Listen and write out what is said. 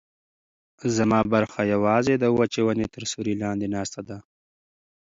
زما برخه یوازې د وچې ونې تر سیوري لاندې ناسته ده.